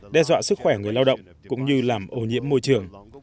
đe dọa sức khỏe người lao động cũng như làm ô nhiễm môi trường